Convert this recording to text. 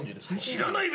「知らないべ！」